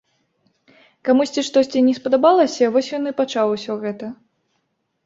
Камусьці штосьці не спадабалася, вось ён і пачаў усё гэта.